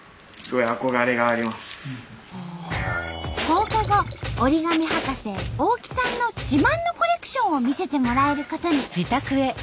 放課後折り紙博士大木さんの自慢のコレクションを見せてもらえることに。